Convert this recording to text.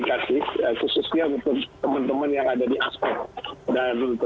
kita banyak komunikasi khususnya untuk teman teman yang ada di aspek